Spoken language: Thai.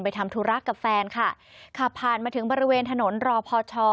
ทำธุระกับแฟนค่ะขับผ่านมาถึงบริเวณถนนรอพอชอ